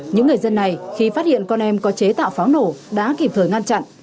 những người dân này khi phát hiện con em có chế tạo pháo nổ đã kịp thời ngăn chặn